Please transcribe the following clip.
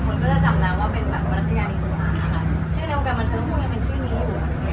คนก็จะจำแล้วว่าเป็นแบบบรัฐการณ์อีกหนึ่งครับชื่อในวงการบรรเทิร์มคงยังเป็นชื่อนี้อยู่